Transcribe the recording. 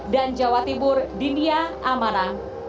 dan jawa tibur di nia amara